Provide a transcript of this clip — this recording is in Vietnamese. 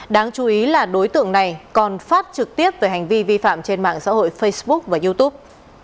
đáng chú ý là đối tượng này còn phát trực tiếp về hành vi vi phạm trên mạng xã hội facebook và youtube